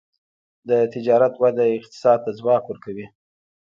د تجارت وده اقتصاد ته ځواک ورکوي.